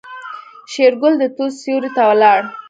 شېرګل د توت سيوري ته ولاړ.